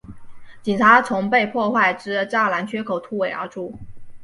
警察从被破坏之栅栏缺口突围而出